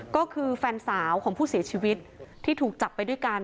ก็คือแฟนสาวของผู้เสียชีวิตที่ถูกจับไปด้วยกัน